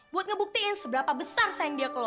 buat ngebuktiin seberapa besar sayang dia ke lo